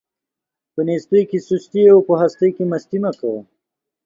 په نيستۍ کې سستي او په هستۍ کې مستي مه کوه.